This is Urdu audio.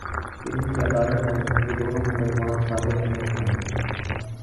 علم کی عدالت میں، یہ دونوں مقدمات ثابت نہیں ہیں۔